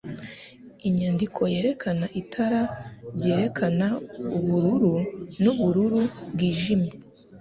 inyandiko yerekana itara ryerekana ubururu nubururu bwijimye.